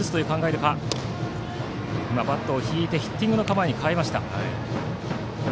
ただバットを引いてヒッティングの構えに変えた。